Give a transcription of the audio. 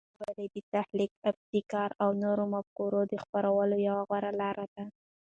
لیکوالی د تخلیق، ابتکار او نوو مفکورو د خپرولو یوه غوره لاره ده.